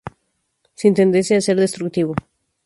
Sin tendencia a ser destructivo.